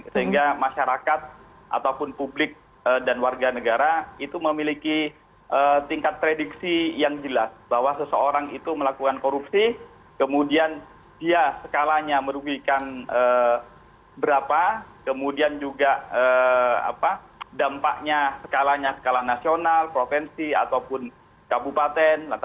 sehingga masyarakat ataupun publik dan warga negara itu memiliki tingkat tradiksi yang jelas bahwa seseorang itu melakukan korupsi kemudian dia skalanya merugikan berapa kemudian juga dampaknya skalanya skala nasional provinsi ataupun kabupaten